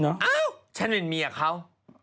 อ้าวฉันเป็นเมียเขา